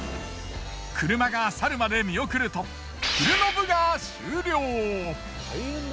車が去るまで見送ると昼の部が終了。